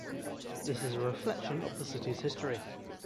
This is a reflection of the city’s history.